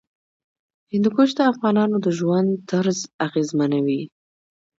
هندوکش د افغانانو د ژوند طرز اغېزمنوي.